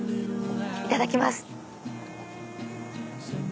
いただきます。